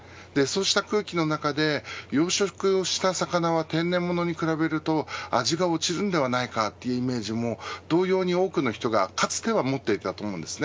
こうした空気の中で養殖した魚は天然ものに比べると味が落ちるんではないかというイメージも同様に多くの人がかつてはもっていたと思います。